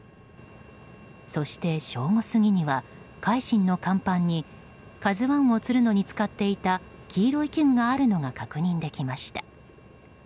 そして、正午過ぎには「海進」の甲板に「ＫＡＺＵ１」をつるのに使っていた黄色い器具があるのが確認できました。